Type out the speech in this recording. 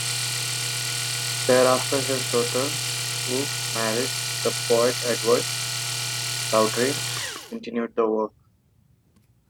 Thereafter his daughter, who had married the poet Edward Lowbury, continued the work.